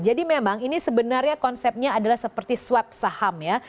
jadi memang ini sebenarnya konsepnya adalah seperti swap saham ya